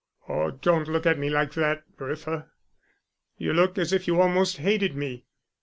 "Oh, don't look at me like that, Bertha. You look as if you almost hated me."